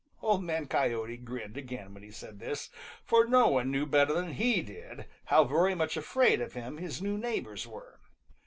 Old Man Coyote grinned again when he said this, for no one knew better than he did how very much afraid of him his new neighbors were.